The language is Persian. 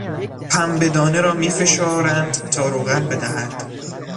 پنبه دانه را میفشارند تا روغن بدهد.